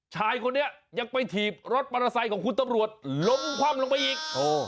ชายคนนี้ยังไปถีบรถมอเตอร์ไซค์ของคุณตำรวจล้มคว่ำลงไปอีก